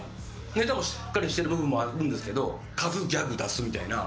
ネタもしっかりしてる部分もあるんですけど数ギャグ出すみたいな。